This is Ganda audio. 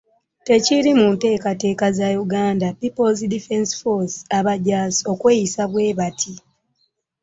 Tekiri mu ntegeka za Uganda People’s Defence Force abajaasi okweyisa bwe bati.